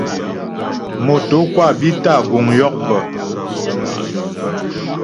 Motǒkwâ bi tâ guŋ yókpə.